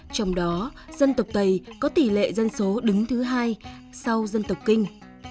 trong đó dân tộc tây có tỷ lệ dân số đứng thứ hai sau dân tộc kinh